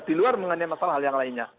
di luar mengenai masalah hal yang lainnya